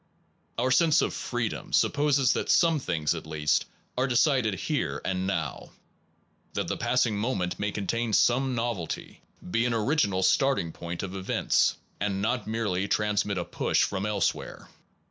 Our sense of freedom supposes that some things at least are decided here and now, that the passing moment may contain some nov elty, be an original starting point of events, and not merely transmit a push from elsewhere.